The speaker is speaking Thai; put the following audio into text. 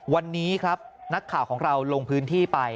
วันนี้ครับนักข่าวของเราลงพื้นที่ไป